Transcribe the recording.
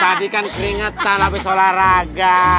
tadikan keringetan abis olahraga